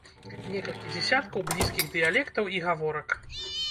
Некалькі дзесяткаў блізкіх дыялектаў і гаворак.